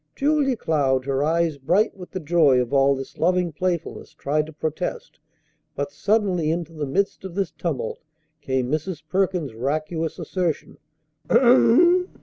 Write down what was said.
Julia Cloud, her eyes bright with the joy of all this loving playfulness, tried to protest; but suddenly into the midst of this tumult came Mrs. Perkins's raucous assertion: "H'm m!"